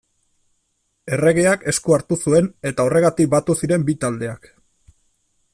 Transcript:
Erregeak esku hartu zuen, eta horregatik batu ziren bi taldeak.